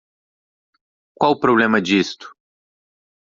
Qual o problema disto